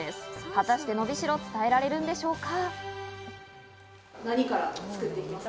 果たしてのびしろを伝えられるんでしょうか？